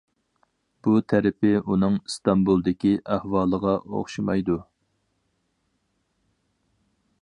بۇ تەرىپى ئۇنىڭ ئىستانبۇلدىكى ئەھۋالىغا ئوخشىمايدۇ.